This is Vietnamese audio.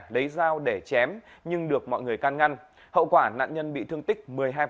lấy dao để chém nhưng được mọi người can ngăn hậu quả nạn nhân bị thương tích một mươi hai